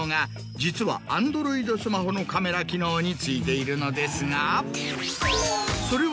実はアンドロイドスマホのカメラ機能についているのですが。